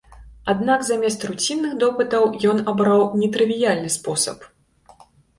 Аднак замест руцінных допытаў ён абраў нетрывіяльны спосаб.